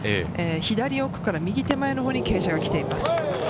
左奥から右手前の上り傾斜が来ています。